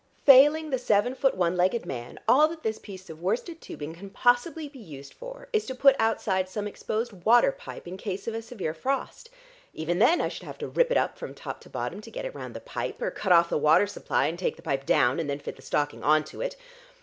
Failing the seven foot one legged man, all that this piece of worsted tubing can possibly be used for, is to put outside some exposed water pipe in case of a severe frost. Even then I should have to rip it up from top to bottom to get it round the pipe, or cut off the water supply and take the pipe down and then fit the stocking on to it.